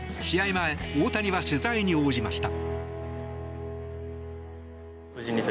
前大谷は取材に応じました。